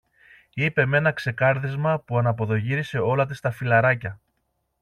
είπε μ' ένα ξεκάρδισμα που αναποδογύρισε όλα της τα φυλλαράκια